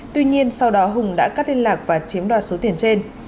tuy nhiên sau đó hùng đã cắt liên lạc và chiếm đoạt số tiền trên